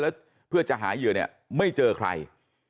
แล้วเพื่อจะหาเหยื่อเนี่ยไม่เจอใคร